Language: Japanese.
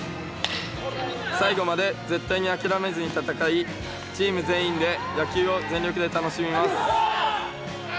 最後まで絶対に諦めずに戦いチーム全員で野球を全力で楽しみます。